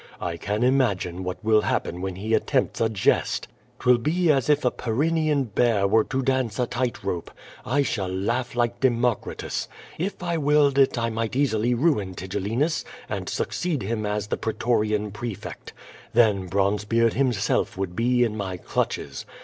I can imagine what will happen when he attempts a jest. ^Twill be as if a Pyrennean bear were to dance a tight rope. I shall laugh like Democritus. If I willed it I might easily ruin Tigellinus and succeed him as the pretorian prefect. Then Bronzebeard himself would be in my clutches.